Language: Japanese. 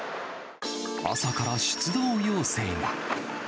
朝から出動要請が。